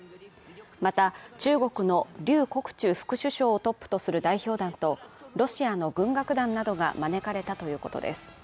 また、中国の劉国中副首相をトップとする代表団とロシアの軍楽団などが招かれたということです